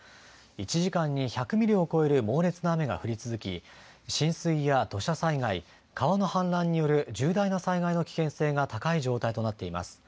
１時間に１００ミリを超える猛烈な雨が降り続き、浸水や土砂災害、川の氾濫による重大な災害の危険性が高い状態となっています。